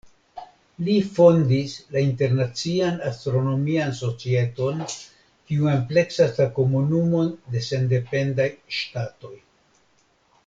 Li fondis la Internacian Astronomian Societon, kiu ampleksas la Komunumon de Sendependaj Ŝtatoj.